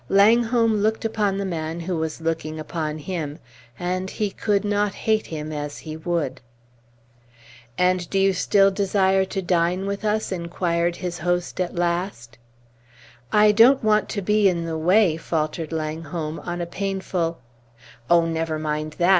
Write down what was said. Langholm looked upon the man who was looking upon him, and he could not hate him as he would. "And do you still desire to dine with us?" inquired his host at last. "I don't want to be in the way," faltered Langholm, "on a painful " "Oh, never mind that!"